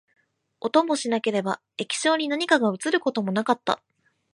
音もしなければ、液晶に何かが写ることもなかった